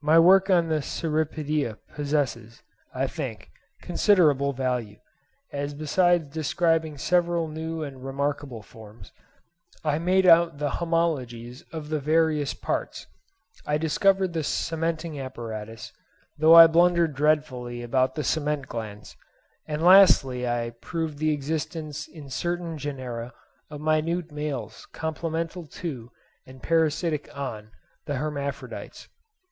My work on the Cirripedia possesses, I think, considerable value, as besides describing several new and remarkable forms, I made out the homologies of the various parts—I discovered the cementing apparatus, though I blundered dreadfully about the cement glands—and lastly I proved the existence in certain genera of minute males complemental to and parasitic on the hermaphrodites.